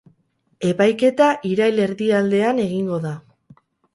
Epaiketa irail erdialdean egingo da.